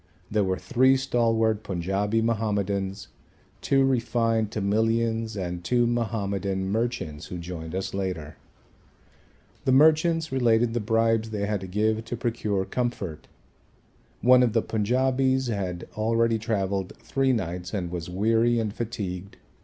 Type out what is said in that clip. There were three stalwart Punjabi Mahomedans, two refined Tamilians and two Mahomedan merchants who joined us later. The merchants related the bribes they had to give to procure comfort. One of the Punjabis had already travelled three nights and was weary and fatigued.